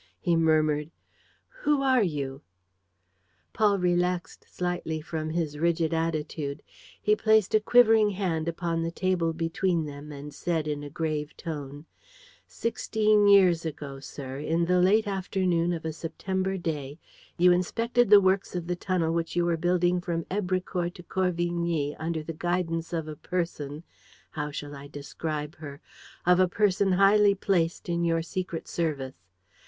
He murmured: "Who are you?" Paul relaxed slightly from his rigid attitude. He placed a quivering hand upon the table between them and said, in a grave tone: "Sixteen years ago, sir, in the late afternoon of a September day, you inspected the works of the tunnel which you were building from Èbrecourt to Corvigny under the guidance of a person how shall I describe her of a person highly placed in your secret service.